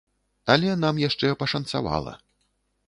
Але нам яшчэ пашанцавала.